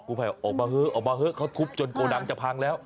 ภัยออกมาเถอะออกมาเถอะเขาทุบจนโกดังจะพังแล้ว